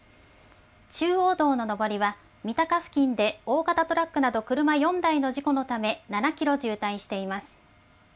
中央道の上りは、三鷹付近で大型トラックなど、車４台の事故のため、７キロ渋滞しています。